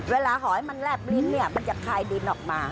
เวลาหอยมันแลบอีศน์มันจะคายดินออกมา